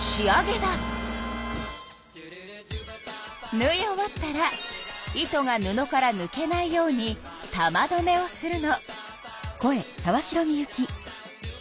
ぬい終わったら糸が布からぬけないように玉どめをするの。